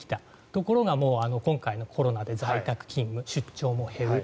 ところが今回のコロナで在宅勤務、出張も減る。